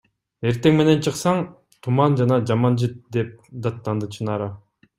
Эртең менен чыксаң — туман жана жаман жыт, – деп даттанды Чынара.